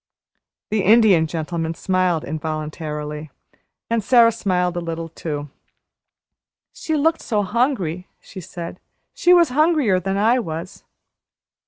The Indian Gentleman smiled involuntarily, and Sara smiled a little too. "She looked so hungry," she said. "She was hungrier than I was."